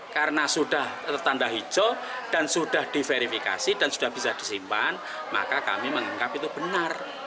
karena sudah tertanda hijau dan sudah diverifikasi dan sudah bisa disimpan maka kami menganggap itu benar